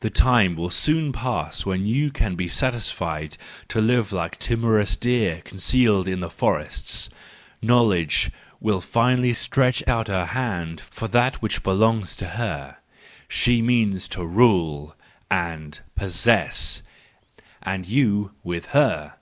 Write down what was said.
The time will soon pass when you 220 THE JOYFUL WISDOM, IV can be satisfied to live like timorous deer concealed in the forests. Knowledge will finally stretch out her hand for that which belongs to her :—she means to rule and possess , and you with her!